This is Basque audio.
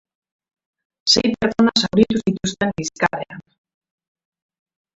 Sei pertsona zauritu zituzten liskarrean.